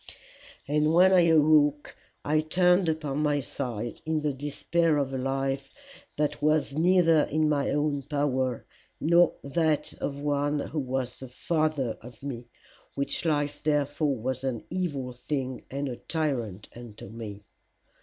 "'And when I awoke I turned upon my side in the despair of a life that was neither in my own power nor in that of one who was the Father of me, which life therefore was an evil thing and a tyrant unto me.